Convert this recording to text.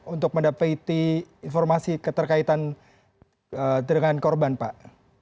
untuk mendapatkan informasi keterkaitan dengan korban pak